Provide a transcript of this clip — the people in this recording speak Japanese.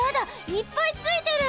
いっぱいついてる！